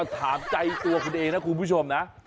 ถามใจตัวคุณเองนะคุณผู้ชมนะ